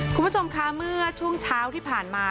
คุณผู้ชมคะเมื่อช่วงเช้าที่ผ่านมา